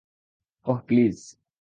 Oh, please!